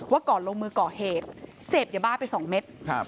ว่าก่อนลงมือก่อเหตุเสพอย่าบ้าไปสองเม็ด